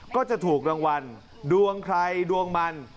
ก็จะถูกรางวัลดวงใครดวงมัน